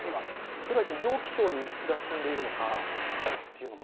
それは異常気象が進んでいるのか。